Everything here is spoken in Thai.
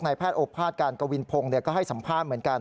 ในแพทย์โอภาษย์การกวินพงก็ให้สัมภาพเหมือนกัน